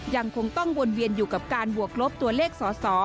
ยังคงต้องวนเวียนอยู่กับการบวกลบตัวเลขสอสอ